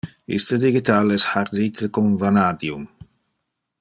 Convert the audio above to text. Iste digital es hardite con vanadium.